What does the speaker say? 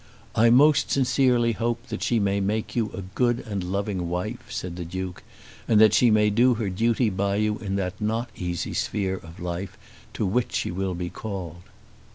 "I most sincerely hope that she may make you a good and loving wife," said the Duke, "and that she may do her duty by you in that not easy sphere of life to which she will be called."